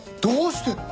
どうして？